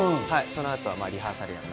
その後は、リハーサル。